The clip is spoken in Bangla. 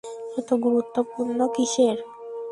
এত গুরুত্বপূর্ন কিসের?